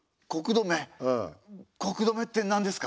穀留って何ですか？